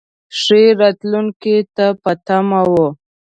ښې راتلونکې ته په تمه و.